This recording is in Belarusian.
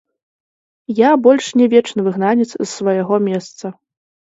Я больш не вечны выгнанец з свайго месца.